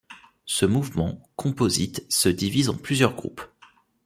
Ce mouvement, composite, se divise en plusieurs groupes.